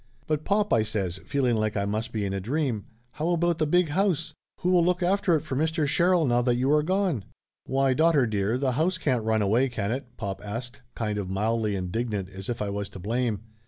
"But, pop !" I says, feeling like I must be in a dream. "How about the big house? Who will look after it for Mr. Sherrill now that you are gci:e?" "Why, daughter dear, the house can't run away, can it?" pop asked, kind of mildly indignant as if I was to blame.